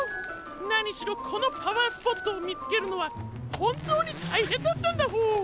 なにしろこのパワースポットをみつけるのはほんとうにたいへんだったんだホォー。